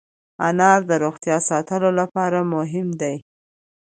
انار د روغتیا ساتلو لپاره مهم دی.